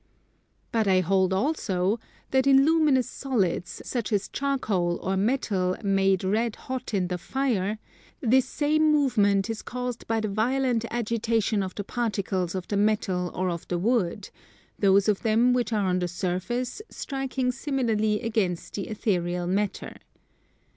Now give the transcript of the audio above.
But I hold also that in luminous solids such as charcoal or metal made red hot in the fire, this same movement is caused by the violent agitation of the particles of the metal or of the wood; those of them which are on the surface striking similarly against the ethereal matter.